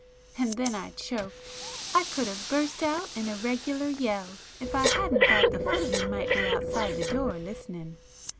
And then I choked,—I could have burst out in a regular yell, if I hadn't thought the footman might be outside the door listening.